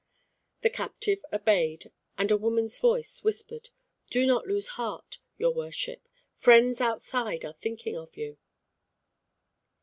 The captive obeyed, and a woman's voice whispered, "Do not lose heart, your worship. Friends outside are thinking of you."